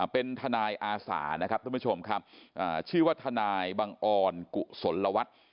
เป็นทนายอาสาชื่อว่าทนายบังออนกุศลวัฒน์